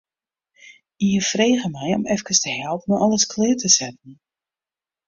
Ien frege my om efkes te helpen mei alles klear te setten.